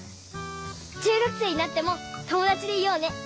中学生になっても友だちでいようね。